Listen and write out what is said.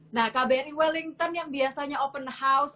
nah kbri wellington yang biasanya open house